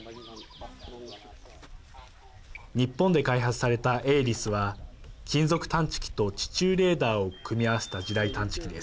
日本で開発されたＡＬＩＳは金属探知機と地中レーダーを組み合わせた地雷探知機です。